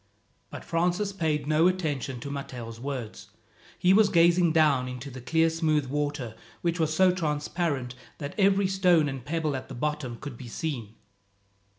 But Francis paid no attention to Matteo's words. He was gazing down into the clear smooth water, which was so transparent that every stone and pebble at the bottom could be seen.